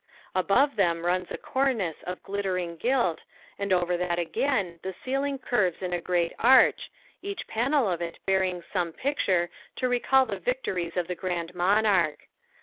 Above them runs a cornice of glittering gilt, and over that again the ceiling curves in a great arch, each panel of it bearing some picture to recall the victories of the Grand Monarch.